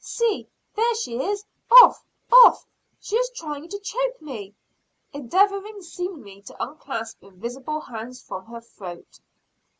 See, there she is! Off! Off! She is trying to choke me!" endeavoring seemingly to unclasp invisible hands from her throat.